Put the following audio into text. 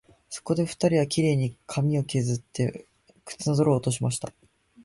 そこで二人は、綺麗に髪をけずって、靴の泥を落としました